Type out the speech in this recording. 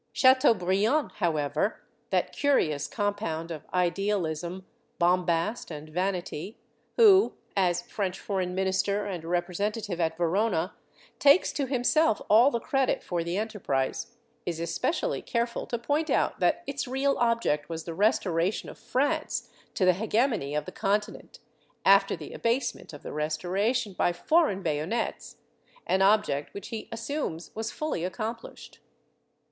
Chateaubriand, however, that curious compound of idealism, bombast and vanity, who, as French foreign minister and representative at Verona, takes to himself all the credit for the enterprise, is especially careful to point out that its real object was the restoration of France to the hegemony of the Continent, after the abasement of the Restora tion by foreign bayonets — an object which he assumes was fully accomplished.